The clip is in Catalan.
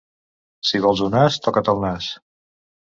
Si vols un as, toca't el nas.